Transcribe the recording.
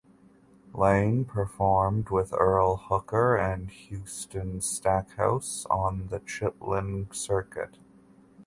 Lane performed with Earl Hooker and Houston Stackhouse on the Chitlin Circuit.